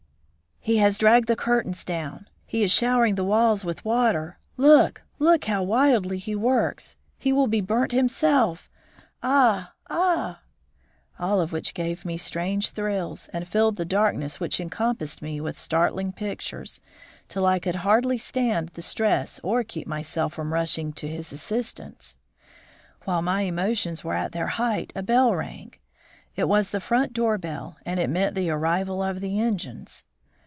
"He has dragged the curtains down! He is showering the walls with water! Look look! how wildly he works! He will be burnt himself. Ah! ah!" All of which gave me strange thrills, and filled the darkness which encompassed me with startling pictures, till I could hardly stand the stress or keep myself from rushing to his assistance. While my emotions were at their height a bell rang. It was the front doorbell, and it meant the arrival of the engines.